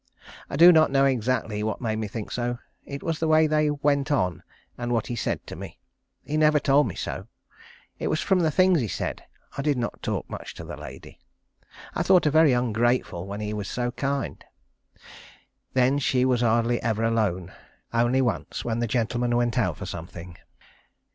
I do not know exactly what made me think so. It was the way they went on, and what he said to me. He never told me so. It was from things he said. I did not talk much to the lady. I thought her very ungrateful when he was so kind. Then she was hardly ever alone. Only once when the gentleman went out for something.